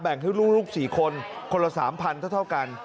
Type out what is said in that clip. ให้ลูก๔คนคนละ๓๐๐เท่ากัน